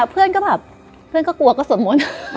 เพื่อนก็แบบเพื่อนก็กลัวก็สวดมนต์